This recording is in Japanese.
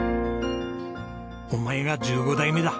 「お前が１５代目だ。